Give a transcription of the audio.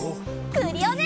クリオネ！